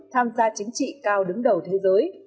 tham gia chính trị cao đứng đầu thế giới